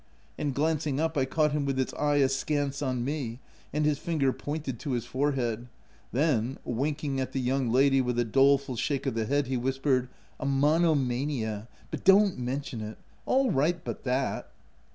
" And glancing up, I caught him with his eye askance on me; and his finger pointed to his forehead ; then, winking at the young lady with a doleful shake of the head, he whispered —" a monomania — but don't mention it— all right but that."